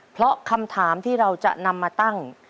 เพราะคำถามที่เราจะนำมาตั้ง